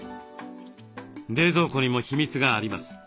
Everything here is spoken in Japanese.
冷蔵庫にも秘密があります。